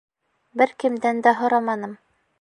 — Бер кемдән дә һораманым.